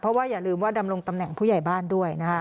เพราะว่าอย่าลืมว่าดำรงตำแหน่งผู้ใหญ่บ้านด้วยนะคะ